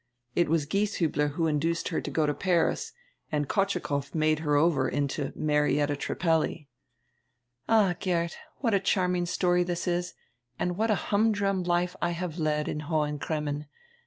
It was Gieshiibler who induced her to go to Paris and Kotschukoff made her over into Marietta Trippelli." "All, Geert, what a charming story this is and what a humdrum life I have led in Hohen Cremmen!